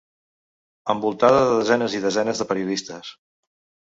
Envoltada de desenes i desenes de periodistes.